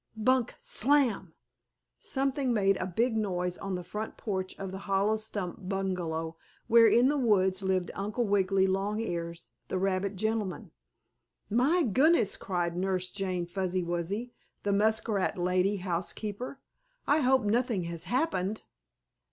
Bunk! Slam!" Something made a big noise on the front porch of the hollow stump bungalow, where, in the woods, lived Uncle Wiggily Longears, the rabbit gentleman. "My goodness!" cried Nurse Jane Fuzzy Wuzzy, the muskrat lady housekeeper. "I hope nothing has happened!"